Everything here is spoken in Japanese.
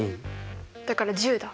だから１０だ。